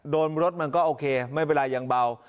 โดนรถมันก็โอเคไม่เป็นไรยังเบา